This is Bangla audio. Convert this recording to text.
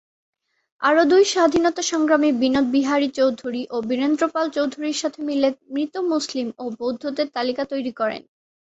আরো দুই স্বাধীনতা সংগ্রামী বিনোদ বিহারী চৌধুরী ও বীরেন্দ্র পাল চৌধুরীর সাথে মিলে মৃত মুসলিম ও বৌদ্ধদের তালিকা তৈরি করেন।